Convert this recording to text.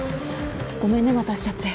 ごめんね待たしちゃって。